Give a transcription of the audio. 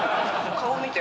顔見て。